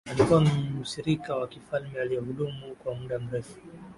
alikuwa mshirika wa kifalme aliyehudumu kwa muda mrefu